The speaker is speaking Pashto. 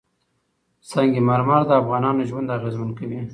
سنگ مرمر د افغانانو ژوند اغېزمن کوي.